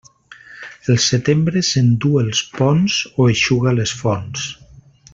El setembre s'enduu els ponts o eixuga les fonts.